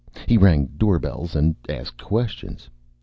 He rang doorbells and asked questions.